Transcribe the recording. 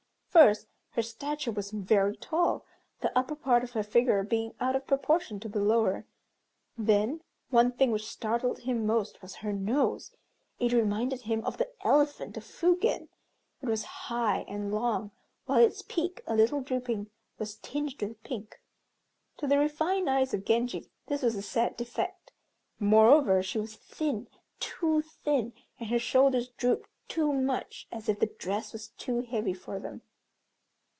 First, her stature was very tall, the upper part of her figure being out of proportion to the lower, then one thing which startled him most was her nose. It reminded him of the elephant of Fugen. It was high and long; while its peak, a little drooping, was tinged with pink. To the refined eyes of Genji this was a sad defect. Moreover, she was thin, too thin; and her shoulders drooped too much, as if the dress was too heavy for them.